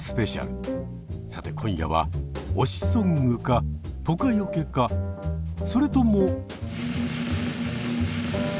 さて今夜は「推しソング」か「ポカヨケ」かそれとも？